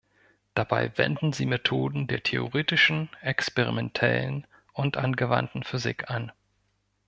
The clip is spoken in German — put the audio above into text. Dabei wenden sie Methoden der theoretischen, experimentellen und angewandten Physik an.